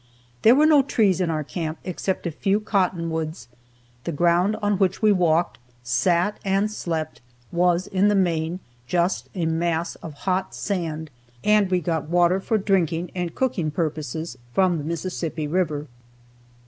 There were no trees in our camp except a few cottonwoods; the ground on which we walked, sat, and slept was, in the main, just a mass of hot sand, and we got water for drinking and cooking purposes from the Mississippi river.